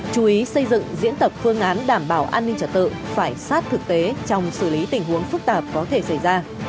chú ý xây dựng diễn tập phương án đảm bảo an ninh trật tự phải sát thực tế trong xử lý tình huống phức tạp có thể xảy ra